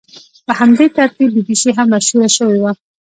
په همدې ترتیب بي بي سي هم مشهوره شوې وه.